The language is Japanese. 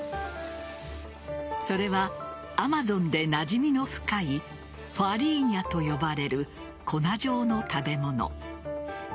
それはアマゾンでなじみの深いファリーニャと呼ばれる粉状の食べ物。